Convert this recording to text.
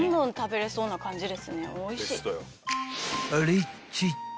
［リッチッチ］